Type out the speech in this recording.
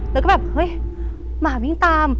แล้วก็แบบเฮ้ยหมาวิ่งตาม